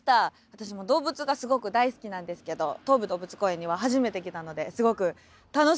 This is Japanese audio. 私も動物がすごく大好きなんですけど東武動物公園には初めて来たのですごく楽しみです。